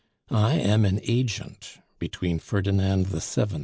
I am an agent between Ferdinand VII.